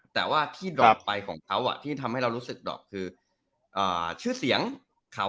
แต่ว่าที่ดอกไปของเขาที่ทำให้เรารู้สึกดอกคือชื่อเสียงเขา